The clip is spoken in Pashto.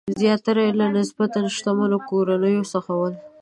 زیاتره یې له نسبتاً شتمنو کورنیو څخه ول.